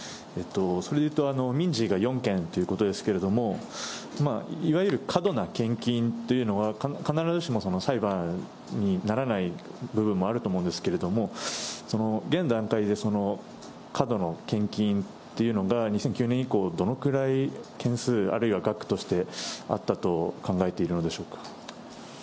それでいうと、民事が４件ということですけれども、いわゆる過度な献金というのは、必ずしも裁判にならない部分もあると思うんですけれども、現段階で過度の献金というのが２００９年以降、どのくらい件数、あるいは額としてあったと考えているのでしょうか。